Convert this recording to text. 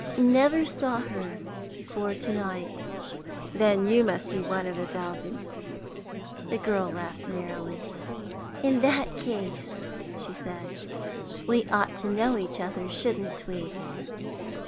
"Never saw her before to night." "Then you must be one out of a thousand." The girl laughed merrily. "In that case," she said, "we ought to know each other, shouldn't we?"